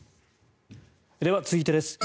では、続いてです。